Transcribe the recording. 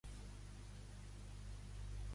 Qui era la dea cobra?